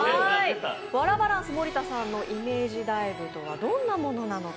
ワラバランス盛田さんのイメージダイブとはどんなものなのか